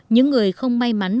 những người không may mắn